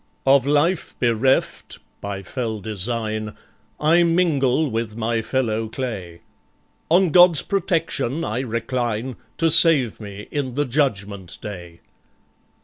Of life bereft (by fell design), I mingle with my fellow clay. On God's protection I recline To save me in the Judgement Day.